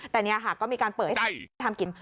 แต่เนี่ยค่ะก็มีการเปิดให้ทำกิน